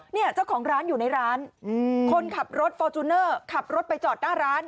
เนี่ยเจ้าของร้านอยู่ในร้านคนขับรถฟอร์จูเนอร์ขับรถไปจอดหน้าร้าน